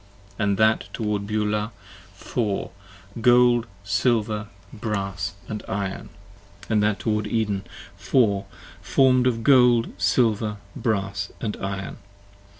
66 And that toward Beulah four, gold, silver, brass, & iron: ii p. 13 AND that toward Eden, four, form'd of gold, silver, brass, & iron.